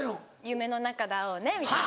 「夢の中で会おうね」みたいな。